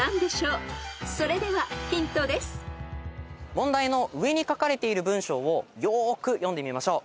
問題の上に書かれている文章をよーく読んでみましょう。